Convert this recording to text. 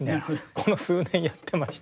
この数年やってまして。